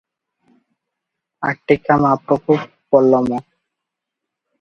ଆଟିକାମାପକୁ ପଲମ ।